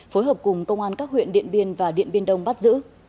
phối hợp cùng công an các huyện điện biên và điện biên đông bắt giữ